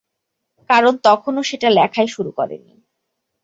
কারণ তখনো সেটা লেখাই শুরু করিনি।